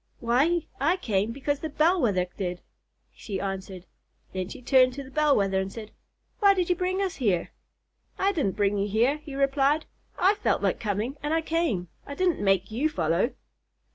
"Why, I came because the Bell Wether did," she answered. Then she turned to the Bell Wether and said, "Why did you bring us here?" "I didn't bring you here," he replied. "I felt like coming, and I came. I didn't make you follow."